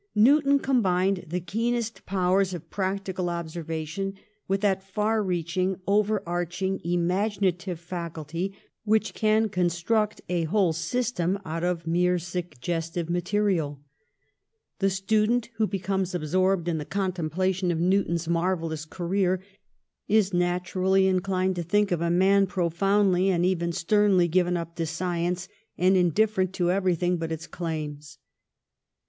Newton combined the keenest powers of practical observation with that far reaching, over arching imaginative faculty which can construct a whole system out of mere suggestive material. The student who becomes absorbed in the contemplation of Newton's marvellous career is naturally inclined to think of a man profoundly and even sternly given up to science, and indifferent to everything but its claims.